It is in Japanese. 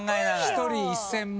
・１人１，０００万。